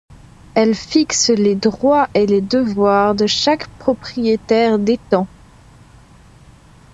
Elle fixe les droits et les devoirs de chaque propriétaire d’étang.